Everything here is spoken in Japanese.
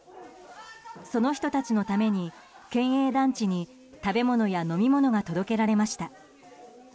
その人たちのために県営団地に食べ物や飲み物が届けられました。